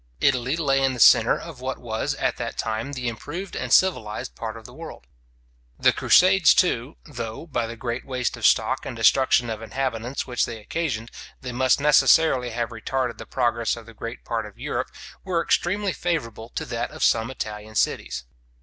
Italy lay in the centre of what was at that time the improved and civilized part of the world. The crusades, too, though, by the great waste of stock and destruction of inhabitants which they occasioned, they must necessarily have retarded the progress of the greater part of Europe, were extremely favourable to that of some Italian cities.